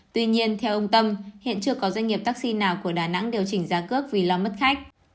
tuy nhiên theo ông tâm hiện chưa có doanh nghiệp taxi nào của đà nẵng điều chỉnh giá cước vì lo mất khách